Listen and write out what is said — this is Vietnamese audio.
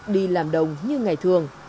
đi làm đồng như ngày thường